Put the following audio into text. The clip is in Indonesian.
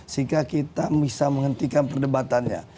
sehingga kita bisa menghentikan perdebatannya